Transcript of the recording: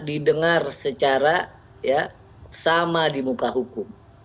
didengar secara sama di muka hukum